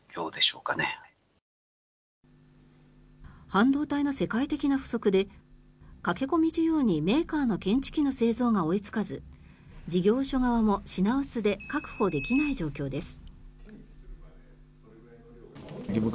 半導体の世界的な不足で駆け込み需要にメーカーの検知器の製造が追いつかず事業所側も品薄で確保できない状況です。